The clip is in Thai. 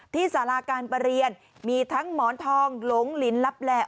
สาราการประเรียนมีทั้งหมอนทองหลงลินลับแหล่